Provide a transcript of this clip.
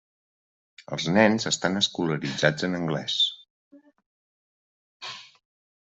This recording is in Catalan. Els nens estan escolaritzats en anglès.